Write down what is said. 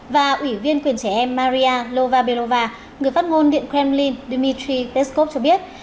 và ủy viên quyền trẻ em maria lovabelova người phát ngôn điện kremlin dmitry peskov cho biết